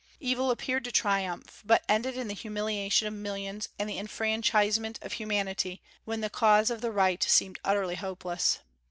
Evil appeared to triumph, but ended in the humiliation of millions and the enfranchisement of humanity, when the cause of the right seemed utterly hopeless.